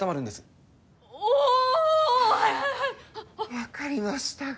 分かりましたか。